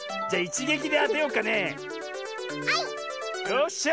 よっしゃ！